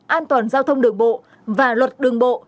an toàn giao thông đường bộ và luật đường bộ